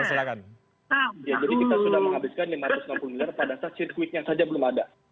jadi kita sudah menghabiskan rp lima ratus enam puluh miliar pada saat sirkuitnya saja belum ada